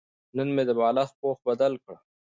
نن مې د بالښت پوښ بدل کړ.